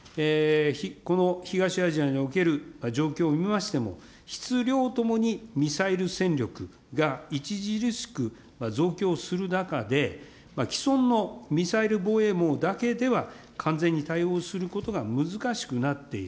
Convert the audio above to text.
この東アジアにおける状況を見ましても、質、量ともにミサイル戦力が著しく増強する中で、既存のミサイル防衛網だけでは完全に対応することが難しくなっている。